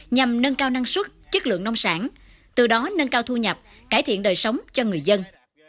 nhằm nâng cao năng suất chất lượng nông sản từ đó nâng cao thu nhập cải thiện đời sống cho người dân